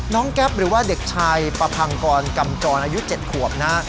แก๊ปหรือว่าเด็กชายประพังกรกำจรอายุ๗ขวบนะฮะ